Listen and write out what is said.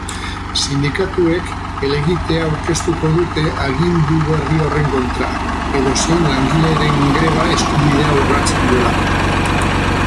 Sindikatuek helegitea aurkeztuko dute agindu berri horren kontra, edozein langileren greba-eskubidea urratzen duelako.